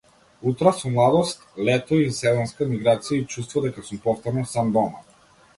Утра со младост, лето и сезонска миграција, и чувство дека сум повторно сам дома.